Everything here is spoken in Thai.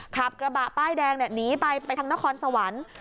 ขับกระบะป้ายแดงหนีไปไปทางนครสวรรค์